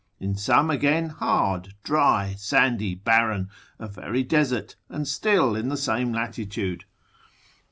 in some again hard, dry, sandy, barren, a very desert, and still in the same latitude.